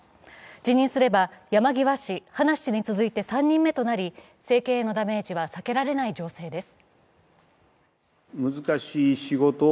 辞任すれば山際氏、葉梨氏に続いて３人目となり政権へのダメージは避けられない情勢です。